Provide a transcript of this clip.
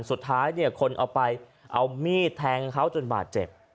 สุดท้ายเนี่ยคนเอาไปเอามีดแทงเขาจนบาดเจ็บ